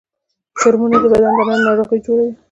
کرمونه د بدن دننه ناروغي جوړوي